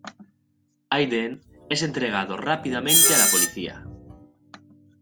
Hayden es entregado rápidamente a la policía.